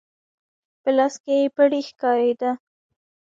په لاس کې يې پړی ښکارېده.